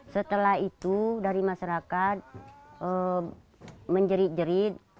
setelah itu dari masyarakat menjerit jerit